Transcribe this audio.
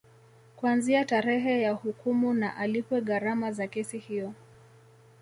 Kuanzia tarehe ya hukumu na alipwe gharama za kesi hiyo